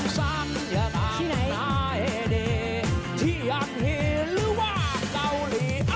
ฉันอย่าต่างนายดีที่ยังเหลือว่าเกาหลี